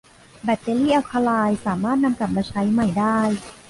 แบตเตอรี่อัลคาไลน์สามารถนำกลับมาใช้ใหม่ได้